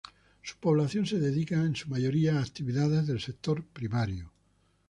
Su población se dedica en su mayoría a actividades del sector primario.